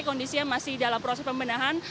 kondisinya masih dalam proses pembenahan